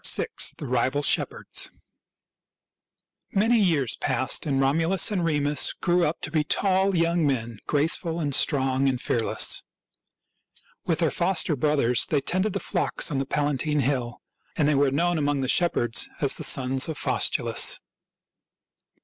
VI. THE RIVAL SHEPHERDS Many years passed, and Romulus and Remus grew up to be tall young men, graceful and strong and fearless. With their foster brothers they tended the flocks on the Palatine Hill, and they were known among the shepherds as the sons of Faustulus.